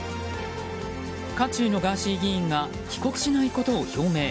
渦中のガーシー議員が帰国しないことを表明。